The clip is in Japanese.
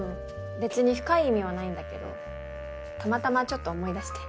別に深い意味はないんだけどたまたまちょっと思い出して。